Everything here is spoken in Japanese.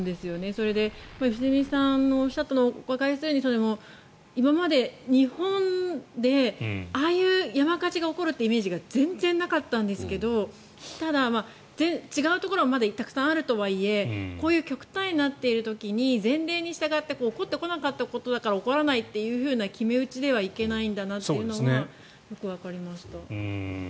それで良純さんのおっしゃったのもわかりやすいように今まで日本でああいう山火事が起きるイメージが全然なかったんですけどただ、違うところはまだたくさんあるとはいえこういう極端になっている時に前例に従って起こってこなかったことだから起きないと決め打ちではいけないんだなとよくわかりました。